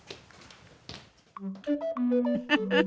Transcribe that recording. フフフフ。